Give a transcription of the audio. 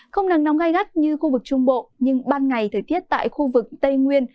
không nắng nóng gai gắt như khu vực trung bộ nhưng ban ngày thời tiết tại khu vực tây nguyên